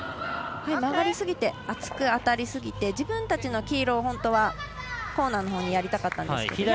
曲がりすぎて厚く当たりすぎて自分たちの黄色を本当はコーナーのほうにやりたかったんですけど。